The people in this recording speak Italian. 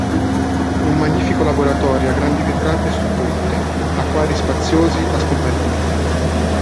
Un magnifico laboratorio a grandi vetrate sul ponte, acquari spaziosi a scompartimenti.